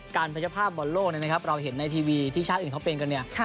พัชภาพบอลโลกนะครับเราเห็นในทีวีที่ชาติอื่นเขาเป็นกันเนี่ย